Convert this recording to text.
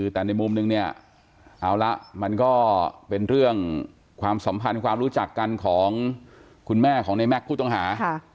แต่ในมุมนึงเนี่ยเอาละมันก็เป็นเรื่องความสัมพันธ์ความรู้จักกันของคุณแม่ของในแม็กซ์ผู้ต้องหา